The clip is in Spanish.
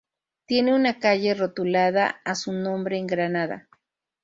Tiene una calle rotulada a su nombre en Granada.